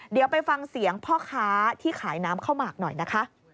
เดี๋ยวไปฟังเสียงพ่อค้าที่ขายน้ำข้าวหมากหน่อยนะคะ